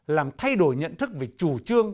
làm thay đổi nhận thức về chủ trương